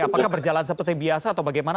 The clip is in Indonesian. apakah berjalan seperti biasa atau bagaimana